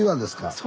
そう。